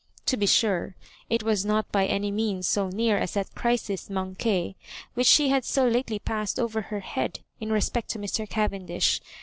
To be sure, it was not by any means so near as that crisis manqttS which had so lately passed over her head in re spect to Mr. Cavendish.